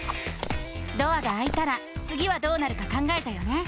ドアがあいたらつぎはどうなるか考えたよね？